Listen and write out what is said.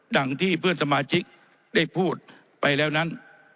ดังที่สมาชิกได้พูดไปแล้วนั้น